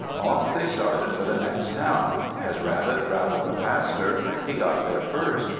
Off they started for the next town. As Rabbit traveled the faster, he got there first.